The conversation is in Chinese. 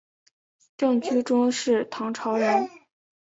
郑居中是唐朝人。